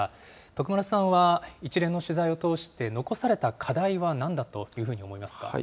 徳丸さんは、一連の取材を通して、残された課題はなんだというふうに思いますか。